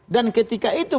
dan ketika itu